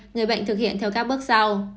người bệnh thực hiện theo các bước sau